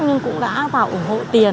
nhưng cũng đã vào ủng hộ tiền